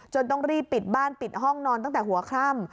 ต้องรีบปิดบ้านปิดห้องนอนตั้งแต่หัวค่ำ